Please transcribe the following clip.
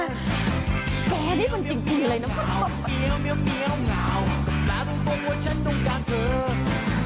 แกนี่มันจริงเลยนะคุณผู้ชม